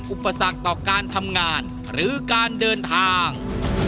อุปสรรคต่อการทำงานหรือการเดินทาง